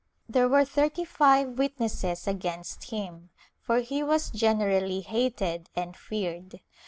There were thirty five witnesses against him, for he was generally hated and feared.